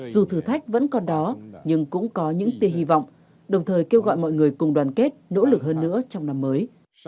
dù thử thách vẫn còn đó nhưng cũng có những tia hy vọng đồng thời kêu gọi mọi người cùng đoàn kết nỗ lực hơn nữa trong năm mới